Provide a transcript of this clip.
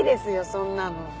そんなの。